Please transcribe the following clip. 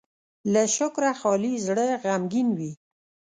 له شکره خالي زړه غمګين وي.